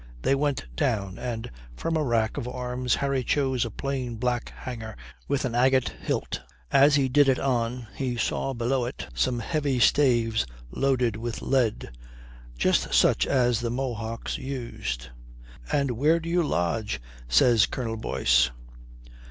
They went down and from a rack of arms Harry chose a plain black hanger with an agate hilt. As he did it on he saw below it some heavy staves loaded with lead just such as the Mohocks used. "And where do you lodge?" says Colonel Boyce.